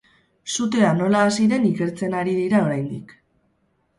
Sutea nola hasi den ikertzen ari dira oraindik.